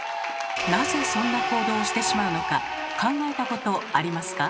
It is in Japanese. なぜそんな行動をしてしまうのか考えたことありますか？